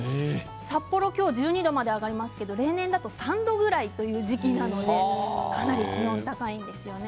札幌、１２度まで上がりますが例年だと３度ぐらいという時期なのでかなり気温が高いんですよね。